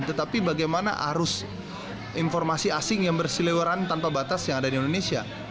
tetapi bagaimana arus informasi asing yang bersilewaran tanpa batas yang ada di indonesia